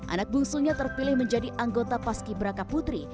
anak bungsunya terpilih menjadi anggota pas ki braka putri